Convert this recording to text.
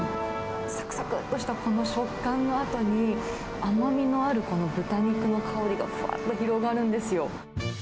さくさくっとしたこの食感のあとに、甘みのあるこの豚肉の香りがふわっと広がるんですよ。